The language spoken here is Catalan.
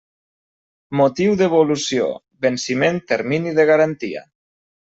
Motiu devolució: venciment termini de garantia.